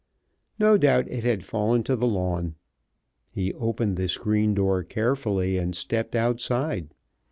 No doubt it had fallen to the lawn. He opened the screen door carefully and stepped outside.